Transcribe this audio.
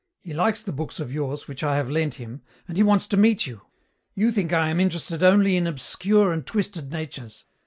He likes the books of yours which I have lent him, and he wants to meet you. You think I am interested only in obscure and twisted natures.